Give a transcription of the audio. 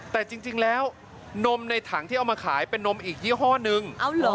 แต่จริงแล้วนมในถังที่เอามาขายเป็นนมอีกยี่ห้อนึง